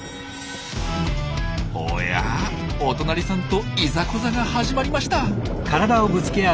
おやお隣さんといざこざが始まりました。